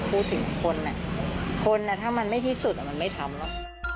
พูดถึงคนคนถ้ามันไม่ที่สุดมันไม่ทำหรอก